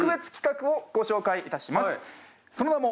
その名も。